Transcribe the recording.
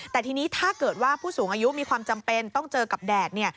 แต่ทีนี้ถ้าเกิดว่าผู้สูงอายุมีความจำเป็นต้องเจอกับแดดเนี่ย